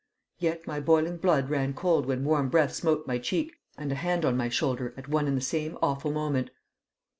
Yet my boiling blood ran cold when warm breath smote my cheek and a hand my shoulder at one and the same awful moment.